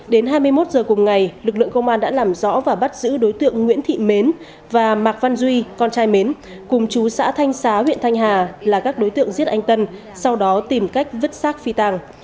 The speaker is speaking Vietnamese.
đến hai mươi một h cùng ngày lực lượng công an đã làm rõ và bắt giữ đối tượng nguyễn thị mến và mạc văn duy con trai mến cùng chú xã thanh xá huyện thanh hà là các đối tượng giết anh tân sau đó tìm cách vứt xác phi tàng